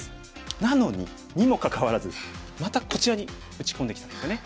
なのににもかかわらずまたこちらに打ち込んできたんですよね。